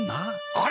あれ？